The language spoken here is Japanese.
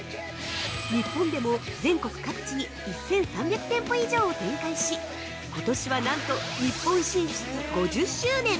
日本でも全国各地に１３００店舗以上を展開し、ことしは、なんと日本進出５０周年。